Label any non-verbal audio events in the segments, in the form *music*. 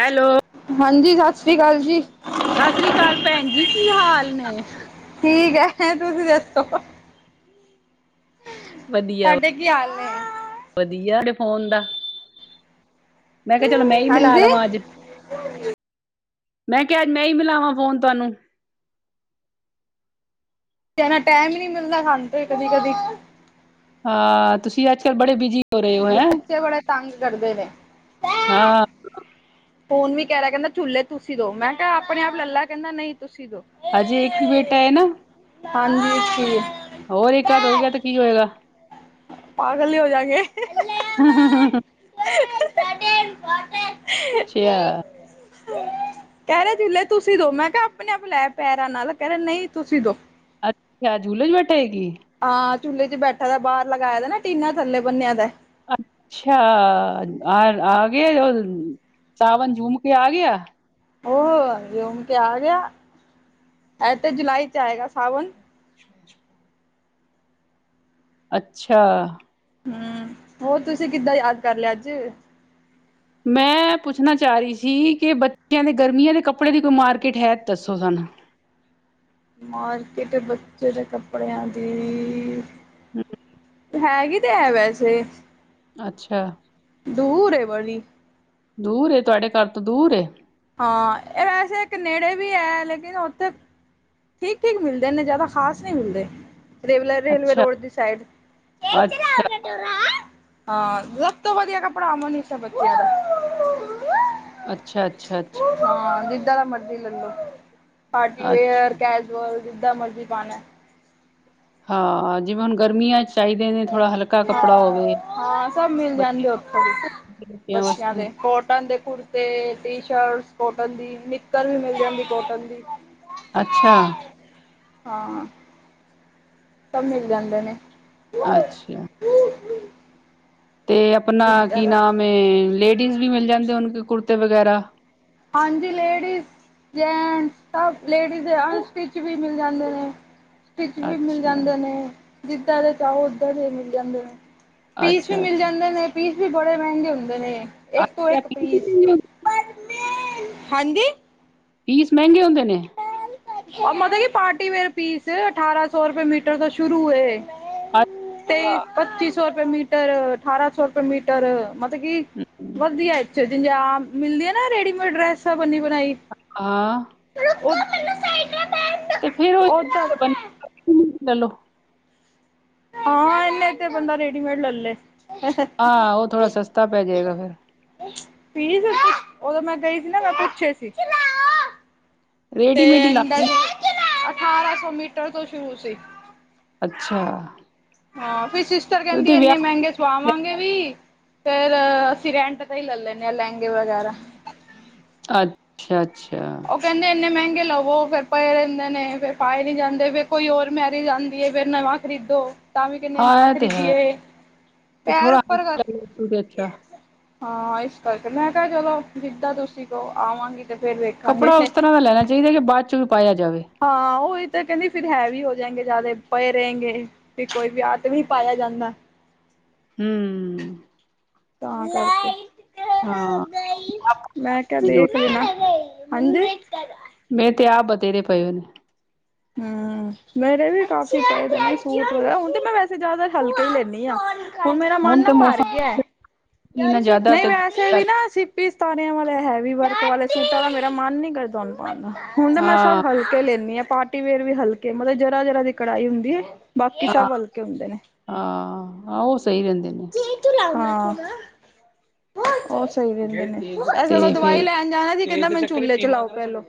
Hello. ਹਾਂਜੀ ਸਤਿ ਸ਼੍ਰੀ ਅਕਾਲ ਜੀ। ਸਤਿ ਸ਼੍ਰੀ ਅਕਾਲ ਭੈਣ ਜੀ ਕੀ ਹਾਲ ਨੇ। ਠੀਕ ਹੈ ਤੁਸੀ ਦੱਸੋ। ਵਧੀਆ ਤੁਹਾਡੇ ਕੀ ਹਾਲ ਨੇ। ਵਧੀਆ ਫੋਨ ਦਾ ਮੈਂ ਕਿਹਾ ਚਲੋ ਮੈਂ ਹੀ ਮਿਲਾ ਹਾਂਜੀ ਲਵਾਂ ਅੱਜ। ਮੈਂ ਕਿਹਾ ਅੱਜ ਮੈਂ ਹੀ ਮਿਲਾਵਾਂ ਫੋਨ ਤੁਹਾਨੂੰ। ਜਾਦਾ ਟਾਈਮ ਨਹੀਂ ਮਿਲਦਾ ਸਾਨੂੰ ਤੇ ਕਦੀ ਕਦੀ। ਹਾਂ ਤੁਸੀ ਅੱਜ ਕੱਲ ਬੜੇ ਬਿਜੀ। ਹੋ ਰਹੇ ਹੋ ਹੈਂ ਬੱਚੇ ਬੜੇ ਤੰਗ ਕਰਦੇ ਨੇ। ਹਾਂ। ਹੁਣ ਵੀ ਕਹਿ ਰਿਹਾ ਕਹਿੰਦਾ ਚੁੱਲੇ ਤੁਸੀਂ ਦੋ ਮੈਂ ਕਿਹਾ ਆਪਣੇ ਆਪ ਲੱਲਾ ਕਹਿੰਦਾ ਨਹੀਂ ਤੁਸੀਂ ਦੋ। ਹਾਂਜੀ ਇਕ ਹੀ ਬੇਟਾ ਹੈ ਨਾ। ਹਾਂਜੀ ਇੱਕ ਹੀ ਐ। ਹੋਰ ਇਕ ਅਧ ਹੋ ਗਿਆ ਤੇ ਕੀ ਹੋਏਗਾ। ਪਾਗਲ ਈ ਹੋ ਜਾਂਗੇ। ਅੱਛਿਆ। ਕਹਿ ਰਹੇ ਝੂਲੇ ਤੁਸੀਂ ਦੋ ਮੈਂ ਕਿਹਾ ਆਪਣੇ ਆਪ ਲੈ ਪੈਰਾਂ ਨਾਲ ਕਹਿ ਰਹੇ ਨਹੀਂ ਤੁਸੀਂ ਦੋ। ਅੱਛਾ ਝੂਲੇ ਚ ਬੈਠੇਗੀ। ਹਾਂ ਝੂਲੇ ਚ ਬੈਠਾ ਦਾ ਬਾਹਰ ਲਗਾਇਆ ਦਾ ਨਾ ਟੀਨਾਂ ਥੱਲੇ ਬੰਨਿਆ ਦੈ। ਅੱਛਾ ਆ ਗਿਆ ਹੋ ਸਾਵਨ ਝੂਮ ਕੇ ਆ ਗਿਆ। ਹੋਰ ਜੂਨ ਤੇ ਆ ਗਿਆ ਐਥੇ ਜੁਲਾਈ ਤੇ ਆਏਗਾ ਸਾਵਨ ਅ ਅੱਛਾ। ਹਮ ਹੋਰ ਤੁਸੀਂ ਕਿੱਦਾਂ ਯਾਦ ਕਰ ਲਿਆ ਅੱਜ। ਮੈਂ ਪੁੱਛਣਾ ਚਾਹ ਰਹੀ ਸੀ ਕਿ ਬੱਚਿਆਂ ਦੇ ਗਰਮੀਆਂ ਦੇ ਕੱਪੜੇ ਦੀ ਕੋਈ ਮਾਰਕੀਟ ਹੈ ਦੱਸੋ ਸਾਨੂੰ। ਮਾਰਕੀਟ ਬੱਚੇ ਦੇ ਕੱਪੜਿਆਂ ਦੀ ਹੇਲੋ। ਹੈਗੀ ਤੇ ਹੈ ਵੈਸੇ ਅੱਛਾ। ਦੂਰ ਏ ਬੜੀ ਦੂਰ ਏ ਤੁਹਾਡੇ ਘਰ ਤੋਂ ਦੂਰ ਏ ਹਾਂ ਇਹ ਵੈਸੇ ਇੱਕ ਨੇੜੇ ਵੀ ਹੈ ਲੇਕਿਨ ਉੱਥੇ ਠੀਕ ਠੀਕ ਮਿਲਦੇ ਨੇ ਜ਼ਿਆਦਾ ਖਾਸ ਨਹੀਂ ਮਿਲਦੇ। ਰੇਵਲੇ ਰੇਲਵੇ ਅੱਛਾ, ਰੋਡ ਦੀ ਸਾਈਡ ਹਾਂ ਅੱਛਾ, ਸਭ ਤੋਂ ਵਧੀਆ ਕੱਪੜਾ ਅਮਨ ਬੱਚਿਆਂ ਦਾ ਅੱਛਾ ਅੱਛਾ ਅੱਛਾ। ਹਾਂ ਜਿੱਦਾਂ ਦਾ ਮਰਜੀ ਲੈਲੋ ਪਾਰਟੀ ਵੇਅਰ ਅੱਛਾ। ਕੈਜੂਆਲ ਜਿੱਦਾਂ ਮਰਜ਼ੀ ਪਾਉਣਾ। ਹਾਂ ਜਿਵੇਂ ਹੁਣ ਗਰਮੀਆਂ ਚ ਚਾਹੀਦੇ ਨੇ ਥੋੜ੍ਹਾ ਹਲਕਾ ਕੱਪੜਾ ਹਾਂ ਹੋਵੇ। ਹਾਂ ਸਭ ਮਿਲ ਜਾਂਗੇ ਉੱਥੇ ਬੱਚਿਆਂ ਦੇ ਕੋਟਨ ਦੇ ਕੁੜ ਤੇ ਟੀ ਸ਼ਰਟ ਕੋਟਨ ਦੀ, ਨਿੱਕਰ ਵੀ ਮਿਲ ਜਾਂਦੀ ਕੋਟਨ ਦੀ। ਅੱਛਾ। ਹਾਂ। ਸਭ ਮਿਲ ਜਾਂਦੇ ਨੇ। ਅੱਛਾ। ਤੇ ਆਪਣਾ ਰੀਜਾ ਕੀ ਦਾ ਨਾਮ ਏ ਲੇਡੀਜ਼ ਵੀ ਮਿਲ ਜਾਂਦੇ ਹੋਣ ਕੁੜਤੇ ਵਗੈਰਾ ਹਾਂਜੀ ਲੇਡੀਜ਼ ਜੈਂਟਸ ਸਭ ਲੇਡੀਜ਼ ਦੇ ਅਨਸਟਿਚ ਵੀ ਮਿਲ ਜਾਂਦੇ ਨੇ ਸਟੀਚ ਵੀ ਮਿਲ ਅੱਛਾ, ਜਾਂਦੇ ਨੇ ਜਿੱਦਾਂ ਦੇ ਚਾਹੋ ਓਦਾਂ ਦੇ ਮਿਲ ਜਾਂਦੇ ਨੇ ਪੀਸ ਵੀ ਅੱਛਾ, ਮਿਲ ਅੱਛਾ। ਜਾਂਦੇ ਨੇ ਪੀਸ ਵੀ ਬੜੇ ਮਹਿੰਗੇ ਹੁੰਦੇ ਨੇ ਇੱਕ ਤੋਂ ਇੱਕ ਪੀਸ *unintelligible* ਹਾਂਜੀ। ਪੀਸ ਮਹਿੰਗੇ ਹੁੰਦੇ ਨੇ ਮਤਲਬ ਕੀ ਪਾਰਟੀ ਵੇਅਰ ਪੀਸ ਅਠਾਰਾਂ ਸੌ ਰੁਪਏ ਮੀਟਰ ਤੋਂ ਸ਼ੁਰੂ ਹੋਏ। ਅੱਛਾ, ਤੇਈ ਪੱਚੀ ਸੌ ਰੁਪਏ ਮੀਟਰ ਅਠਾਰਾਂ ਸੌ ਰੁਪਏ ਮੀਟਰ ਮਤਲਬ ਕੀ ਹੂੰ, ਵਧੀਆ ਵਿਚ ਜਿਜ ਆਮ ਮਿਲਦੀ ਹੈ ਨਾ ਰੇਡੀਮੇਡ ਡਰੈਸ ਬੰਨੀ ਬਣਾਈ। ਹਾਂ *unintelligible* ਤੇ ਫੇਰ ਉਧਰ ਉਹ ਲੈਲੋ ਹਾਂ ਇਨੇ ਚ ਬੰਦਾ ਰੇਡੀ ਮੇਡ ਲਲ਼ੇ ਆ ਉਹ ਥੋੜ੍ਹਾ ਸਸਤਾ ਪੈ ਜਾਏਗਾ ਫੇਰ ਪੀਸ ਉਦੋਂ ਮੈਂ ਗਈ ਸੀ ਨਾ ਮੈਂ ਪੁੱਛੇ ਸੀ। ਤੇ ਰੇਡੀਮੇਡ ਹੀ ਲਾਗੀ ਅਠਾਰਾਂ ਸੌ ਮੀਟਰ ਤੋਂ ਸ਼ੁਰੂ ਸੀ। ਅੱਛਾ। ਹਾਂ ਫਿਰ ਸਿਸਟਰ ਕਹਿੰਦੀ ਤੇ ਇੰਨੇ ਵਿਆਹ ਮਹਿੰਗੇ ਸਵਾਵਾਂਗੇ ਵੀ ਫੇਰ ਅਸੀਂ ਰੈਂਟ ਤੇ ਹੀ ਲੈ ਲੈਦੇ ਹ ਲਹਿੰਗੇ ਵਗੈਰਾ ਅੱਛਾ, ਅੱਛਾ। ਉਹ ਕਹਿੰਦੇ ਇੰਨੇ ਮਹਿੰਗੇ ਲਵੋ ਫਿਰ ਪਏ ਰਹਿੰਦੇ ਨੇ ਫਿਰ ਪਾਏ ਨਹੀਂ ਜਾਂਦੇ ਫਿਰ ਕੋਈ ਹੋਰ ਮੈਰਿਜ ਆਉਂਦੀ ਹੈ ਫਿਰ ਨਵਾਂ ਖਰੀਦੋ ਤਾਂ ਵੀ ਕਿੰਹਨੇ ਹਾਂ ਨਵਾਂ ਇਹ ਤੇ ਹੈ ਖਰੀਦੀਏ ਇਹ ਤੇ ਪੈਰ ਥੋੜਾ ਉੱਪਰ ਕਰ ਤੇ ਅੱਛਾ ਹਾਂ ਇਸ ਕਰਕੇ ਮੈਂ ਕਿਹਾ ਚਲੋ ਜਿੱਦਾਂ ਤੁਸੀਂ ਕੋ ਆਵਾਂਗੀ ਤੇ ਫੇਰ ਵੇਖ ਕੱਪੜਾ ਉਸ ਤਰ੍ਹਾਂ ਦਾ ਲੈਣਾ ਚਾਹੀਦਾ ਕਿ ਬਾਅਦ ਚ ਵੀ ਪਾਇਆ ਜਾਵੇ। ਹਾਂ ਉਹੀ ਤਾਂ ਕਹਿੰਦੀ ਫਿਰ ਹੈਵੀ ਹੋ ਜਾਏਗੇ ਜ਼ਿਆਦਾ ਪਏ ਰਹੇਗੇ ਵੀ ਕੋਈ ਵੀ ਹੱਥ ਵੀ ਪਾਇਆ ਜਾਂਦਾ ਹੂੰ - ਹਾਂ ਮੈਂ ਕਿਹਾ ਦੇਖ ਹਾਂਜੀ- ਮੈਂ ਤੇ ਆ ਵਧੇਰੇ ਪਏ ਉਹਨੇ- ਹੂੰ ਮੇਰੇ ਵੀ ਕਾਫੀ ਸੂਟ ਹੁਣ ਮੈ ਵੈਸੇ ਜ਼ਿਆਦਾ ਹਲਕੇ ਹੀ ਲੈਦੀ ਹ ਹੁਣ ਮੇਰਾ ਮਨ ਨਾ ਤੇ ਭਰ ਮੌਸਮ ਗਿਆ ਇੰਨਾ ਨਹੀ ਜ਼ਿਆਦਾ ਮੈ ਤੇ ਵੀ ਨਾ ਸੀਪੀ ਸਤਾਰਿਆਂ ਵਾਲੇ ਹੈਵੀ ਵਰਕ ਵਾਲੇ ਸੂਟਾਂ ਦਾ ਮੇਰਾ ਮਨ ਨੀ ਕਰਦਾ ਪਾਉਣ ਦਾ ਹੁਣ ਤਾਂ ਮੈਂ ਹਾਂ ਸਭ ਹਲਕੇ ਲੈਂਦੀ ਆ ਪਾਰਟੀ ਵੇਅਰ ਵੀ ਹਲਕੇ ਮਤਲਬ ਜਰਾ ਜਰਾ ਦੀ ਕੜਾਈ ਹੁੰਦੀ ਹੈ। ਬਾਕੀ ਹਾਂ ਸਭ ਹਲਕੇ ਹੁੰਦੇ ਨੇ- ਹਾਂ ਆਹ ਉਹ ਸਹੀ ਰਹਿੰਦੇ ਨੇ- ਹਾਂ ਉਹ ਸਹੀ ਰਹਿੰਦੇ ਨੇ ਐ ਸਕੋ ਤੇ ਫਿਰ ਦਵਾਈ ਲੈ ਜਾਣਾ ਸੀ ਕਹਿਦਾ ਮੈ ਚੂਲੇ 'ਚ ਲਾਓ ਪਹਿਲੋ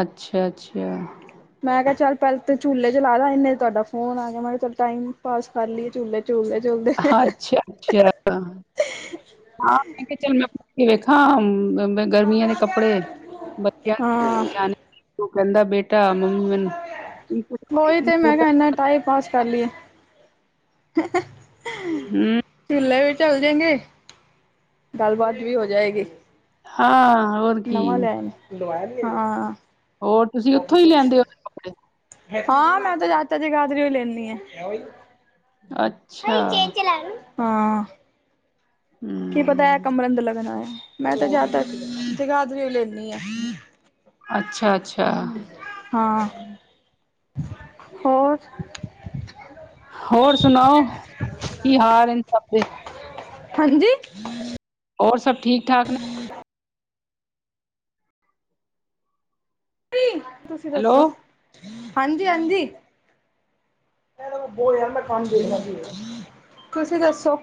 ਅਛਾ- ਅਛਾ- ਮੈਂ ਕਿਹਾ ਚੱਲ ਪਹਿਲ ਤਾਂ ਝੁੱਲੇ ਚੁਲਾਲਾ ਇੰਨੇ ਤੁਹਾਡਾ ਫੋਨ ਆ ਗਿਆ ਮੈਂ ਕਿਹਾ ਚੱਲ ਟਾਈਮ ਪਾਸ ਕਰ ਲਈਏ ਚੁੂੇ ਝੂਲਦੇ- ਝੂਲਦੇ- ਹਾਂ ਅਛਾ- ਅਛਾ- ਹਾਂ ਮੈਂ ਕਿਹਾ ਚਲ ਮੈਂ ਉੱਠ ਕੇ ਵੇਖਾ ਗਰਮੀਆਂ ਦੇ ਕੱਪੜੇ ਬਚਿਆ ਹਾਂ ਤੂੰ ਕਹਿੰਦਾ ਬੇਟਾ ਮੰਮੀ ਮੈਨ ਉਹੀ ਤੇ ਮੈਂ ਕਿਹਾ ਇਨਾ ਟਾਈਮ ਪਾਸ ਕਰ ਲਈਏ ਹੂੰ - ਝੂਲੇ ਵੀ ਚਲ ਜਾਣਗੇ, ਗੱਲ ਬਾਤ ਵੀ ਹੋ ਜਾਏਗੀ ਹਾਂ ਹੋਰ- ਕੀ ਨਵਾਂ ਲਿਆਏ ਨੇ, ਹਾਂ ਹੋਰ ਤੁਸੀਂ ਉੱਥੋਂ ਹੀ ਲਿਆਂਦੇ ਹੋ ਕੱਪੜੇ ਹਾਂ ਮੈਂ ਤੇ ਜਿਆਦਾਤਰ ਜਗਾਧਰੀ ਹੀ ਲੈਂਦੀ ਆ ਅੱਛਾ ਹਾ- ਕੀ ਪਤਾ ਹੈ ਹੂੰ ਕਮਰੰ ਲੱਗਣਾ ਹੈ। ਮੈਂ ਤਾਂ ਜ਼ਿਆਦਾ ਤਰ ਜਗਾਧਰੀ ਲੈਂਦੀ ਆ ਅਛਾ- ਅਛਾ- ਹਾਂ, ਹੋਰ- ਹੋਰ ਸੁਣਾਓ, ਕੀ ਹਾਲ ਇਨ ਸਭ ਦੇ- ਹਾਂਜੀ- ਹੋਰ ਸਭ ਠੀਕ- ਠਾਕ ਨੇ- ਤੁਸੀਂ ਹੈਲੋ ਦੱਸੋ ਹਾਂਜੀ- ਹਾਂਜੀ- ਤੁਸੀਂ ਦੱਸੋ-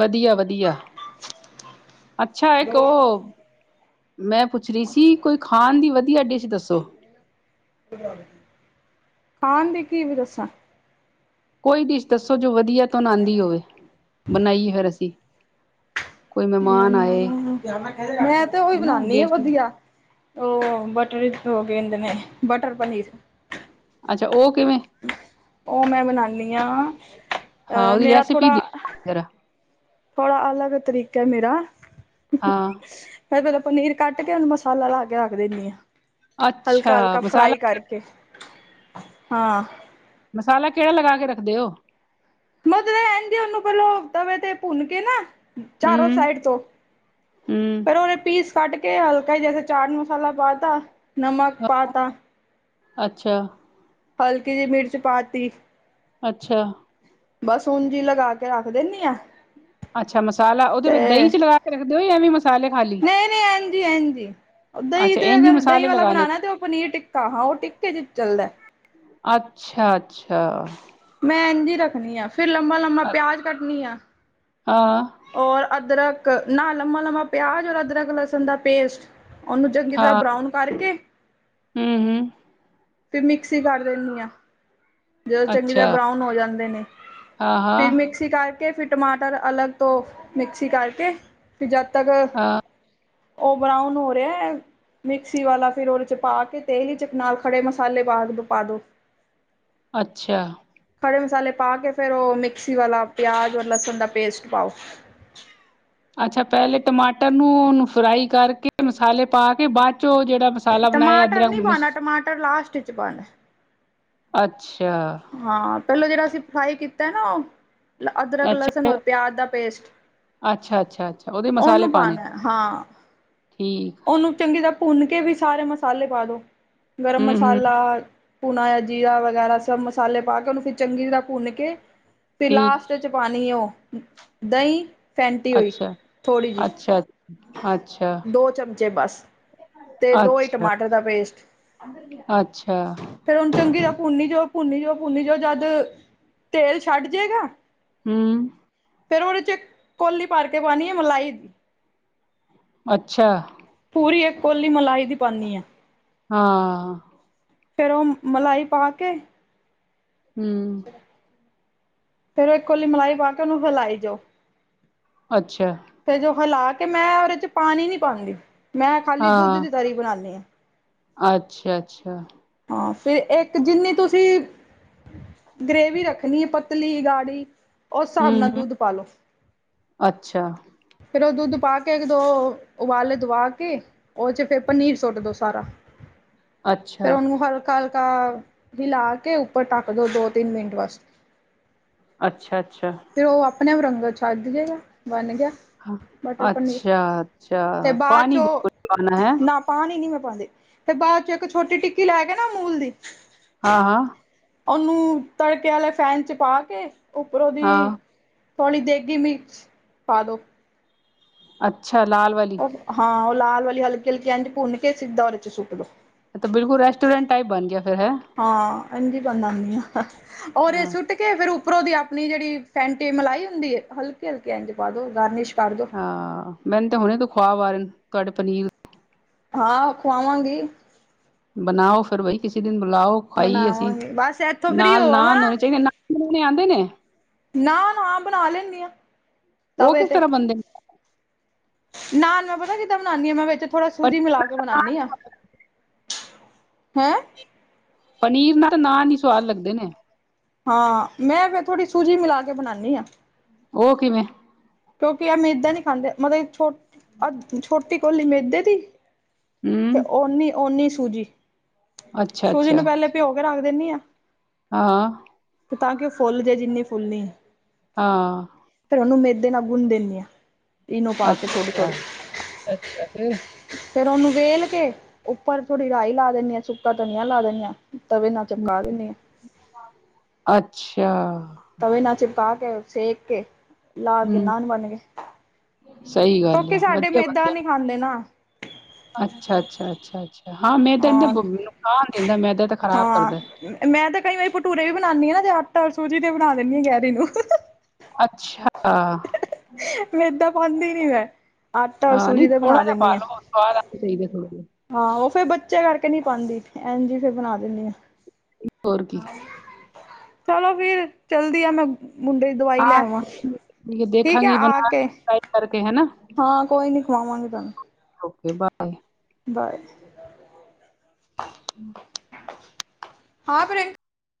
ਵਧੀਆ- ਵਧੀਆ, ਅਛਾ ਇੱਕ ਉਹ, ਮੈਂ ਪੁੱਛ- ਰਿਸ਼ੀ ਕੋਈ ਖਾਣ ਦੀ ਵਧੀਆ ਡਿਸ਼ ਦੱਸੋ ਖਣ ਦੀ ਕੀ ਦੱਸਾਂ ਕੋਈ ਡਿਸ਼ ਦੱਸੋ ਜੋ ਵਧੀਆ ਤੋਂ ਨਾ ਆਉਦੀ ਹੋਵੇ ਬਣਾਈ ਫਿਰ ਅਸੀ ਮੈਂ ਤੇ ਉਹੀ ਹਨਾ ਬਣਾਉਦੀ ਆ ਗੈਸਟ ਵਧੀਆ- ਉਹ ਬਟਰ ਹੋ ਕੇਦੇ ਨੇ ਬਟਰ ਪਨੀਰ- ਅਛਾ ਉਹ ਕਿਵੇਂ- ਉਹ ਮੈਂ ਬਣਾਉਦੀ ਹਾਂ, ਹਾਂ ਉਹਦੀ ਮੇਰਾ ਰੈਸਿਪੀ ਦੀ ਥੋੜਾ- ਜਰਾ ਥੋੜਾ ਅਲੱਗ ਤਰੀਕਾ ਹੈ ਮੇਰਾ- ਹਾਂ- ਪਹਿਲੇ ਪਨੀਰ ਕੱਟ ਕੇ ਉਹਨੂੰ ਮਸਾਲਾ ਲਾ ਕੇ ਰੱਖ ਦਿੰਦੀ ਆ ਅੱਛਾ ਹਲਕਾ- ਹਲਕਾ ਮਸਾਲਾ ਫਰਾਈ ਕਰਕੇ, ਹਾਂ। ਮਸਾਲਾ ਕਿਵੇ ਲਗਾ ਕੇ ਰੱਖਦੇ ਹੋ। ਮਤ ਰਹਿਣਗੇ ਉਹਨੂੰ ਪਹਿਲ ਤਵੇ ਤੇ ਭੁੰਨ ਕੇ ਨਾ- ਚਾਰੋਂ ਹੂੰ ਸਾਈਡ ਤੋਂ ਹੂੰ ਪਹਿਲੇ ਉਹਦੇ ਪੀਸ- ਕਟ ਕੇ ਹਲਕਾ ਹੀ ਜੈਸੇ ਚਾਟ ਮਸਾਲਾ ਪਾਤਾ, ਨਮਕ ਪਾਤਾ। ਅੱਛਾ। ਹਲਕੀ ਜਿਹੀ ਮਿਰਚ ਪਾਤੀ- ਅੱਛਾ। ਬਸ ਉਂਜ ਹੀ ਲਗਾ ਕੇ ਰੱਖ ਦਿੰਦੀ ਆ। ਅੱਛਾ ਮਸਾਲਾ ਉਹਦੇ ਤੇ ਵਿੱਚ ਦਹੀਂ ਚ ਲਗਾ ਕੇ ਰੱਖਦੇ ਹੋ ਜਾਂ ਐਵੀ ਮਸਾਲੇ ਖਾਲੀ। ਹਾਂਜੀ -ਹਾਂਜੀ ਦਹੀਂ ਅੱਛਾ ਤੇ ਇੰਝ ਹੀ ਅਗਰ ਦਹੀਂ ਮਸਾਲੇ ਵਾਲਾ ਲਗਾਣੇ ਬਣਾਉਣਾ ਤੇ ਉਹ ਪਨੀਰ ਟਿੱਕਾ ਹਾਂ ਉਹ ਟਿੱਕੇ ਚ ਚੱਲਦਾ। ਅੱਛਾ, ਅੱਛਾ। ਮੈਂ ਇੰਝ ਰੱਖਦੀ ਆਂ- ਫੇਰ ਲੰਬਾ -ਲੰਬਾ ਪਿਆਜ ਕੱਟਣੀ ਆਂ। ਹਾਂ। ਔਰ ਅਦਰਕ, ਨਾ ਲੰਬਾ- ਲੰਬਾ ਪਿਆਜ ਔਰ ਅਦਰਕ ਲਸਣ ਦਾ ਪੇਸਟ। ਉਹਨੂੰ ਚੰਗੀ ਤਰ੍ਹਾਂ ਬਰਾਊਨ ਕਰਕੇ। ਹਮ ਹਮ। ਫਿਰ ਮਿਕਸੀ ਕਰ ਦਿੰਦੀ ਆਂ। ਜਦੋਂ ਚੰਗੀ ਤਰ੍ਹਾਂ ਅੱਛਾ ਬਰਾਊਨ ਹੋ ਜਾਂਦੇ ਨੇ, ਹਾਂ ਹਾਂ ਫਿਰ ਮਿਕਸੀ ਕਰਕੇ ਫਿਰ ਟਮਾਟਰ ਅਲੱਗ ਤੋਂ ਮਿਕਸੀ ਕਰਕੇ ਫਿਰ ਜਦ ਤੱਕ ਹਾਂ ਉਹ ਬਰਾਊਨ ਹੋ ਰਿਹਾ ਹੈ। ਮਿਕਸੀ ਵਾਲਾ ਫਿਰ ਉਹਦੇ ਵਿਚ ਪਾ ਕੇ ਤੇਲ ਹੀ 'ਚ ਨਾਲ ਖੜੇ ਮਸਾਲੇ ਪਾ ਕੇ ਪਾਦੋ ਅਛਾ- ਖੜੇ ਮਸਾਲੇ ਪਾ ਕੇ ਫੇਰ ਉਹ ਮਿਕਸੀ ਵਾਲਾ ਪਿਆਜ ਔਰ ਲਸਣ ਦਾ ਪੇਸਟ ਪਾਓ ਅਛਾ ਪਹਿਲੇ ਟਮਾਟਰ ਨੂੰ ਫਰਾਈ ਕਰਕੇ ਮਸਾਲੇ ਪਾ ਕੇ ਬਾਅਦ ਚੋਂ ਜਿਹੜਾ ਮਸਾਲਾ ਬਣਾਇਆ ਟਮਾਟਰ ਅਦਰਕ ਨਹੀਂ ਮਿਸ ਪਾਉਣਾ ਟਮਾਟਰ ਲਾਸਟ ਚ ਪਾਉਣਾ। ਅੱਛਾ! ਹਾਂ, ਪਹਿਲਾਂ ਜਿਹੜਾ ਅਸੀਂ ਫ੍ਰਾਈ ਕੀਤਾ ਨਾ ਉਹ, ਅਦਰਕ, ਲਸਣ, ਰ ਪਿਆਜ ਦਾ ਪੇਸਟ ਅੱਛਾ-ਅੱਛਾ, ਅੱਛਾ ਉਹਦੇ ਮਸਾਲੇ ਉਹਨੂੰ ਪਾਨੇ? ਪਾਉਣਾ ਹਾਂ ਠੀਕ ਆ। ਉਹਨੂੰ ਚੰਗੀ ਤਰ੍ਹਾਂ ਭੁੰਨਕੇ ਵੀ ਸਾਰੇ ਮਸਾਲੇ ਪਾਦੋ, ਗਰਮ ਹੂੰ, ਹੂੰ ਮਸਾਲਾ ਭੁਨਾ ਹੋਇਆ ਜੀਰਾ ਵਗੈਰਾ ਸਭ ਮਸਾਲੇ ਪਾਕੇ ਉਹਨੂੰ ਫਿਰ ਚੰਗੀ ਤਰ੍ਹਾਂ ਭੁੰਨਕੇ, ਫਿਰ ਠੀਕ ਲਾਸਟ ਪਾਣੀ ਓ, ਦਹੀਂ ਫੈਂਟੀ ਹੋਈ, ਅੱਛਾ, ਥੋੜ੍ਹੀ ਜਿਹੀ। ਅੱਛਾ, ਅੱਛਾ, ਦੋ ਚਮਚੇ ਬਸ। ਤੇ, ਦੋ ਈ ਅੱਛਾ, ਟਮਾਟਰ ਦਾ ਪੇਸਟ। ਅੱਛਾ ਫਿਰ ਹੁਨ ਚੰਗੀ ਤਰਾ ਭੁੰਨੀ ਜਾਓ, ਭੁੰਨੀ ਜਾਓ, ਭੁੰਨੀ ਜਾਓ, ਜਦ ਤੇਲ ਛੱਡਜੇਗਾ ਹੂੰ। ਫਿਰ ਉਹਦੇ'ਚ ਇੱਕ, ਕੌਲੀ ਭਰਕੇ ਪਾਣੀ ਏ ਮਲਾਈ। ਅੱਛਾ! ਪੂਰੀ ਇੱਕ ਕੋਲੀ ਮਲਾਈ ਦੀ ਪਾਂਨੀ ਆ। ਹਾਂ। ਫਿਰ ਉਹ, ਮਲਾਈ ਪਾਕੇ ਹੂੰ ਫਿਰ ਉਹ ਇੱਕ ਕੋਲੀ ਮਲਾਈ ਪਾਕੇ, ਉਹਨੂੰ ਹਲਾਈ ਜਾਓ। ਅੱਛਾ। ਤੇ ਜੋ ਹਲਾਕੇ ''ਮੈਂ ਉਹਦੇ'ਚ ਪਾਣੀ ਨਹੀਂ ਪਾਂਦੀ। ''ਮੈਂ ਖਾਲੀ ਦੁੱਧ ਦੀ ਤਰੀ ਬਣਾਂਨੀ ਆਂ। ਅੱਛਾ-ਅੱਛਾ। ਹਾਂ, ਫਿਰ ਇੱਕ ਜਿੰਨੀ ਤੁਸੀਂ ਗ੍ਰੇਵੀ ਰੱਖਣੀ ਏ ਪਤਲੀ, ਗਾੜੀ ਉਸ ਹਿਸਾਬ ਹੂੰ, ਨਾਲ ਹੂੰ ਦੁਧ ਪਾਲੋ। ਅੱਛਾ, ਫਿਰ ਉਹ ਦੁੱਧ ਪਾਕੇ ਇੱਕ-ਦੋ ਉਬਾਲੇ ਦਵਾਕੇ, ਉਹ'ਚ ਫਿਰ ਪਨੀਰ ਸੁੱਟ ਦੋ ਸਾਰਾ। ਫਿਰ ਅੱਛਾ, ਉਹਨੂੰ ਹਲਕਾ-ਹਲਕਾ ਹਿਲਾਕੇ, ਉੱਪਰ ਟੱਕਦੋ ਦੋ-ਤਿੰਨ ਮਿੰਟ ਵਾਸਤੇ। ਅੱਛਾ-ਅੱਛਾ। ਫਿਰ ਉਹ ਅਪਣੇ-ਆਪ ਰੰਗਤ ਛੱਡਜੇਗਾ, ਬਣ ਗਿਆ। ਮਟਰ ਪਨੀਰ ਅੱਛਾ! ਅੱਛਾ! ਤੇ ਬਾਅਦ ਪਾਣੀ ਚੋਂ ਬਿਲਕੁਲ ਨੀ ਪਾਣਾ, ਹੈਂ? ਨਾ ਪਾਣੀ ਨੀ ਮੈਂ ਪਾਂਦੀ, ਤੇ ਬਾਅਦ'ਚ ਇੱਕ ਛੋਟੀ ਟਿੱਕੀ ਲੈਕੇ ਨਾ ਅਮੂਲ ਦੀ ਹਾਂ-ਹਾਂ। ਉਹਨੂੰ, ਤੜਕੇ ਵਾਲੇ ਫੈਨ'ਚ' ਪਾਕੇ, ਉੱਪਰੋ ਦੀ ਹਾਂ ਥੋੜੀ ਦੇਗੀ ਮਿਰਚ, ਪਾਦੋ। ਅੱਛਾ। ਲਾਲ ਵਾਲ? ਉਹ ਹਾਂ, ਉਹ ਲਾਲ ਵਾਲੀ, ਹਲਕੀ-ਹਲਕੀ ਐਂਝ ਭੁੰਨਕੇ ਸੀਦਾ ਉਹਦੇ ਚ' ਸੁੱਟਦੋ। ਐ ਤੇ ਬਿਲਕੁਲ ਰੈਸਟੋਰੈਂਟ ਟਾਈਪ ਬਣਗਿਆ, ਫਿਰ ਹੈ? ਹਾਂ, ਐਂਝੀ ਬਨਾਂਨੀ ਆ। ਔਰ ਹਾਂ, ਸੁਟਕੇ ਕੇ, ਫਿਰ ਉਪਰੋਂ ਦੀ ਆਪਣੀ ਜਿਹੜੀ ਫੈਂਟੀ ਮਲਾਈ ਹੁੰਦੀ ਏ, ਹਲਕੀ-ਹਲਕੀ ਇੰਜ ਪਾਦੋ ਗਾਰਨੀਸ਼ ਕਰਦੋ। ਹਾਂ, ਮੈਨੂੰ ਤੇ ਹੁਣੇ ਖੁਆਬ ਆ ਰਹੇਨ, ਤੁਹਾਡੇ ਪਨੀਲ ਹਾਂ, ਖਵਾਵਾਂਗੀ। ਬਣਾਓ ਫੇਰ ਬਾਈ। ਕਿਸੇ ਦਿਨ ਬੁਲਾਓ, ਖਾਈਏ ਅਸੀਂ। ਬਣਾਵਾਂਗੀ ਬਸ ਇੱਥੋਂ ਫ੍ਰਰੀ ਨਾਲ, ਹੋ ਆਵਾ ਨਾਨ ਹੋਣੇ ਚਾਹੀਦੇ ਨਾ ਬਣਾਓਣੇ ਆਂਦੇ ਨੇ? ਨਾ, ਨਾਨ ਬਣਾ ਲੈਂਨੀ ਹਾਂ, ਉਹ ਤਵੇ ਕਿਸ ਤੇ। ਤਰ੍ਹਾਂ ਬਣਦੇ ਨੇ ਨਾਨ, ਮੈਂ ਪਤਾ ਕਿੱਦਾਂ ਬਣਾਂਨੀ ਹਾ, ਮੈਂ ਵਿੱਚ ਥੋੜਾ ਸੂਜੀ ਪਨੀਰ ਮਿਲਾਕੇ ਬਣਾਂਨੀ ਆਂ। ਹੈਂ? ਪਨੀਰ ਨਾਲ ਤਾਂ, ਨਾਨ ਈ ਸਵਾਦ ਲੱਗਦੇ ਨੇ। ਹਾਂ, ਮੈਂ ਫਿਰ ਥੋੜ੍ਹੀ ਸੂਜੀ ਮਿਲਾਕੇ ਬਣਾਂਨੀ ਆਂ। ਉਹ ਕਿਵੇਂ? ਕਿਉਂਕਿ ਆਹ ਮੇਦਾ ਨੀ ਖਾਂਦੇ, ਮਤਲਬ ਏ, ਅ ਛੋਟੀ ਕੋਲੀ ਮੇਦੇ ਦੀ ਤੇ ਹੂੰ ਓਂਨੀ-ਓਂਨੀ ਸੂਜੀ। ਅੱਛਾ ਸੂਜੀ ਅੱਛਾ ਨੂੰ ਪਹਿਲੇ ਭਿਓਕੇ ਰੱਖ ਦਿੰਨੀ ਆ। ਹਾਂ। ਤੇ ਤਾਂ ਕਿ ਉਹ ਫੁੱਲ ਜੇ ਜਿੰਨੀ ਫੁੱਲਨੀ ਏ। ਹਾਂ। ਫਿਰ ਉਹਨੂੰ ਮੇਦੇ ਨਾਲ ਗੁੰਣ ਦਿੰਦੀ ਹਾਂ। ਈਨੋ ਪਾ ਕੇ ਥੋੜੀ- ਅੱਛਾ ਥੋੜੀ। ਅੱਛਾ ਫਿਰ ਫੇਰ ਉਹਨੂੰ ਵੇਲ ਕੇ, ਉੱਪਰ ਥੋੜੀ ਰਾਈ ਲਾ ਦਿੰਦੀ ਹਾਂ, ਸੁੱਕਾ ਧਨੀਆ ਲਾ ਦਿੰਦੀ ਹਾਂ, ਤਵੇ ਨਾਲ ਚਿਪਕਾ ਦਿੰਦੀ ਹਾਂ। ਅੱਛਾ। ਤਵੇ ਨਾ ਚਿਪਕਾ ਕੇ, ਸੇਕ ਕੇ। ਲਾ ਕੇ ਹੂੰ ਨਾਨ ਬਣ ਗੇ। ਸਹੀ ਗੱਲ ਕਿਉਂਕਿ ਹੈ ਸਾਡੇ ਵਧੀਆ ਮੇਦਾ ਬਣਦੇ ਨੀ ਖਾਂਦੇ ਨਾ। ਅੱਛਾ- ਅੱਛਾ- ਅੱਛਾ- ਅੱਛਾ ਹਾਂ, ਮੈਦਾ ਦਾ ਨੁਕਸਾਨ ਦਿੰਦਾ, ਮੈਦਾ ਤੇ ਖ਼ਰਾਬ ਹਾਂ ਕਰਦਾ। ਮੈਂ ਤਾਂ ਕਈ ਵਾਰੀ ਭਟੂਰੇ ਵੀ ਬਣਾਉਂਦੀ ਹਾਂ ਨਾ ਤੇ ਆਟਾ- ਸੂਜੀ ਦੇ ਬਣਾ ਦਿੰਦੀ ਹਾਂ ਜੈਰੀ ਨੂੰ। ਅੱਛਾ। ਮੇਦਾਂ ਪਾਉਂਦੀ ਨੀ ਮੈਂ। ਆਟਾ ਔਰ ਸੂਜੀ ਦੇ ਬਣਾ ਦਿੰਦੀ ਆਂ। *unintelligible* ਚਹੀਦਾ ਥੋੜ੍ਹੀ-ਥੋੜੀ। ਹਾਂ, ਉਹ ਫੇਰ ਬੱਚੇ ਕਰਕੇ ਨਹੀਂ ਪਾਉਂਦੀ। ਇੰਜ ਹੀ ਫਿਰ ਬਣਾ ਦਿੰਦੀ ਆਂ। ਹੋਰ ਕੀ। ਚਲੋ ਫਿਰ, ਚਲਦੀ ਆ ਮੈਂ। ਮੁੰਡੇ ਦਵਾਈ ਲੈ ਹਾਂ ਆਵਾਂ। ਠੀਕ ਠੀਕ ਹੈ ਦੇਖਾਂਗੀ ਆ ਬਣਾ ਕੇ ਟਰਾਈ ਕਰਕੇ ਹਨਾ ਹਾਂ, ਕੋਈ ਨੀ ਖਵਾਵਾਂਗੇ ਤੁਹਾਨੂੰ। Okay, bye. ਬਾਏ। *inaudible* ਹਾਂ। ਪ੍ਰ